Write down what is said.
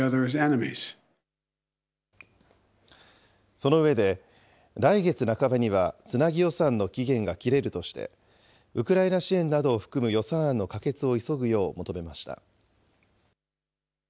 その上で、来月半ばにはつなぎ予算の期限が切れるとして、ウクライナ支援などを含む予算案の可決を急ぐよう求めました。